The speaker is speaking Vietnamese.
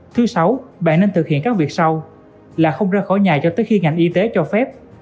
thứ sáu bạn nên thực hiện các việc sau là không ra khỏi nhà cho tới khi ngành y tế cho phép